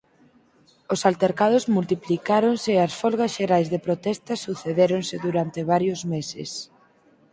Os altercados multiplicáronse e as folgas xerais de protesta sucedéronse durante varios meses.